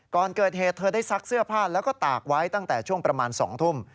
ก่อนเกิดเหตุเธอได้ซักเสื้อผ้าแล้วก็ตากไว้ตั้งแต่ช่วงประมาณ๒ทุ่ม